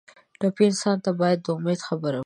ټپي انسان ته باید د امید خبره وشي.